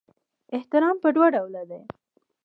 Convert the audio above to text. احترام په دوه ډوله دی.